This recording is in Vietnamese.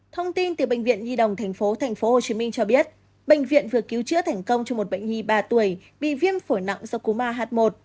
thông tin từ bệnh viện nhi đồng tp hcm cho biết bệnh viện vừa cứu chữa thành công cho một bệnh nhi ba tuổi bị viêm phổi nặng do cú ma h một